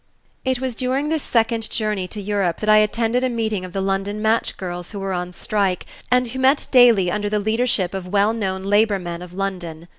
It was during this second journey to Europe that I attended a meeting of the London match girls who were on strike and who met daily under the leadership of well known labor men of London.